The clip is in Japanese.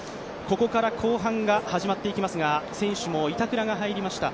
ここから後半が始まっていきますが、選手も板倉が入りました。